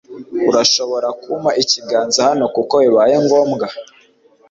Urashobora kumpa ikiganza hano kuko bibaye ngombwa